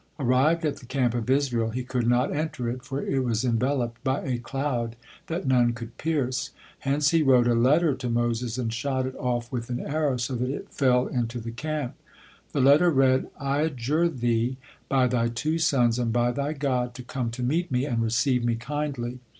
Arrived at the camp of Israel, he could not enter it, for it was enveloped by a cloud that none could pierce, hence he wrote a letter to Moses and shot it off with an arrow, so that it fell into the camp. The letter read: "I adjure thee, by thy two sons and by thy God, to come to meet me and receive me kindly.